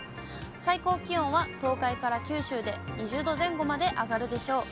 最高気温は東海から九州で２０度前後まで上がるでしょう。